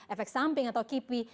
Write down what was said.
efek samping atau kipi